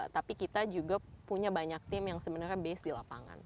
tapi kita juga punya banyak tim yang sebenarnya base di lapangan